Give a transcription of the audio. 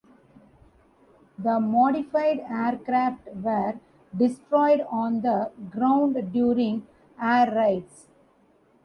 The modified aircraft were destroyed on the ground during air raids.